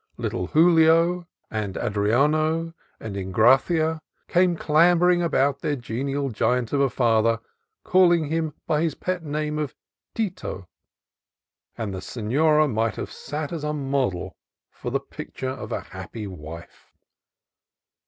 Little Julio, and Adriano, and Engracia came clambering about their genial giant of a father, calling him by his pet name of Tito : and the senora might have sat as model for the picture of a happy wife.